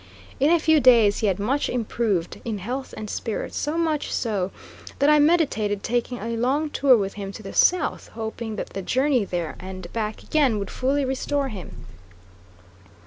In a few days he had much improved in health and spirits, so much so, that I meditated making a long tour with him to the South, hoping that the journey there and back again would fully restore him.